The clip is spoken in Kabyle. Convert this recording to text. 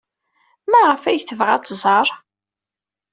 Maɣef ay tebɣa ad tẓer?